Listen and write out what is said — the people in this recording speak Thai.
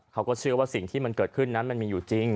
เขาก็เชื่อว่าสิ่งที่มันเกิดขึ้นนั้นมันมีอยู่จริง